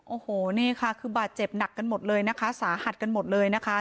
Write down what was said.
โอ้โหนี่ค่ะคือบาดเจ็บหนักกันหมดเลยนะคะ